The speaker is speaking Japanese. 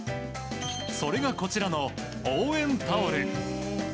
それが、こちらの応援タオル。